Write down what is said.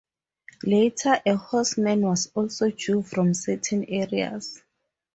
Later, a horseman was also due from certain areas.